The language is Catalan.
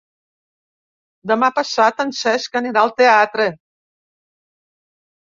Demà passat en Cesc anirà al teatre.